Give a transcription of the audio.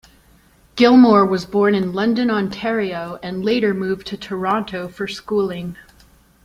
Gilmour was born in London, Ontario, and later moved to Toronto for schooling.